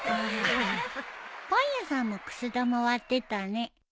パン屋さんもくす玉割ってたね。